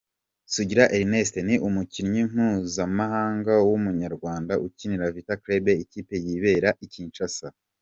Sugira Ernest ni umukinnyi mpuzamahanga w'umunyarwanda ukinira Vita Club ikipe yibera i Kinshasa.